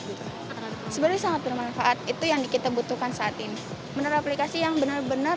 itu sebenarnya sangat bermanfaat itu yang kita butuhkan saat ini benar aplikasi yang benar benar